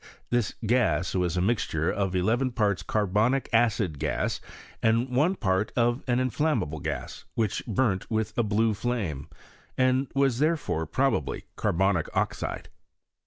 This gas was a mixture of eleven parts carbonic acid gas, and one part of an inflam mable gas, which burnt with a blue flame, and was therefore probably carbonic oxide.